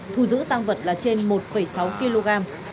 thu giữ tăng vật là trên một sáu kg